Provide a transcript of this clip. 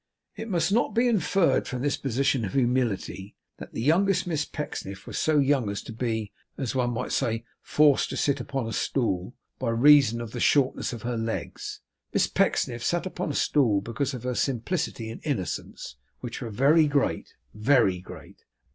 It must not be inferred from this position of humility, that the youngest Miss Pecksniff was so young as to be, as one may say, forced to sit upon a stool, by reason of the shortness of her legs. Miss Pecksniff sat upon a stool because of her simplicity and innocence, which were very great, very great.